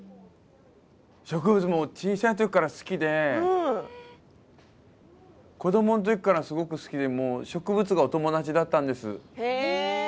植物も小さいときから好きで子どものときからすごく好きで植物がお友達だったんです。